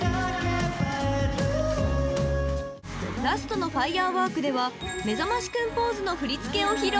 ［ラストの『ＦＩＲＥＷＯＲＫ』ではめざましくんポーズの振り付けを披露］